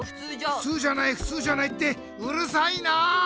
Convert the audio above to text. ふつうじゃないふつうじゃないってうるさいな！